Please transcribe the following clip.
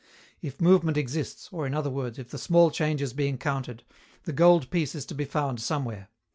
If movement exists, or, in other words, if the small change is being counted, the gold piece is to be found somewhere.